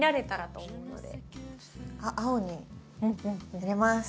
青に入れます。